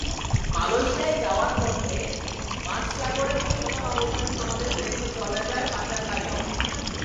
মালয়েশিয়ায় যাওয়ার পথে মাঝসাগরে ভাসমান অবস্থায় তাঁদের রেখে চলে যায় পাচারকারীরা।